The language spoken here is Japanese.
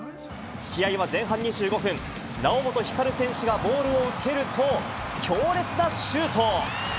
試合は前半２５分、猶本光選手がボールを受けると、強烈なシュート！